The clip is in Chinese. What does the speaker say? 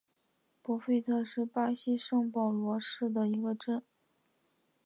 博费特是巴西圣保罗州的一个市镇。